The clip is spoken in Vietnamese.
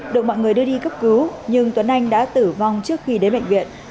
được mọi người đưa đi cấp cứu nhưng tuấn anh đã tử vong trước khi đến bệnh viện